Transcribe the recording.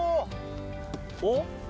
おっ？